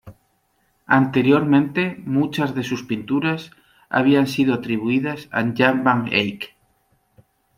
Anteriormente muchas de sus pinturas habían sido atribuidas a Jan van Eyck.